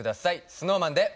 ＳｎｏｗＭａｎで。